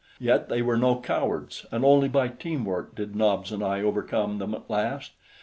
Yet they were no cowards, and only by teamwork did Nobs and I overcome them at last.